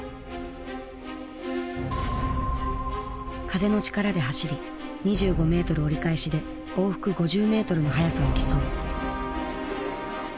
風の力で走り２５メートル折り返しで往復５０メートルの速さを競う。